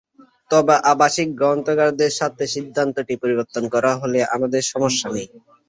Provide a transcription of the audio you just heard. তবে আবাসিক গ্রাহকদের স্বার্থে সিদ্ধান্তটি পরিবর্তন করা হলে আমাদের সমস্যা নেই।